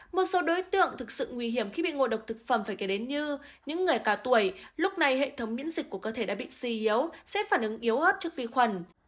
một số đối tượng thực sự nguy hiểm khi bị ngộ độc thực phẩm phải kể đến như những người cao tuổi lúc này hệ thống miễn dịch của cơ thể đã bị suy yếu sẽ phản ứng yếu ớt trước vi khuẩn